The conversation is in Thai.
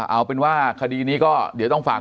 เอาเป็นว่าคดีนี้ก็เดี๋ยวต้องฝาก